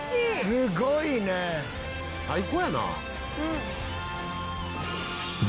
「すごいね」「最高やな」